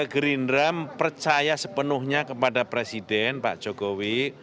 gerindra percaya sepenuhnya kepada presiden pak jokowi